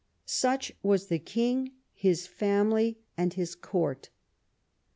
Such was the king, his family, and his court.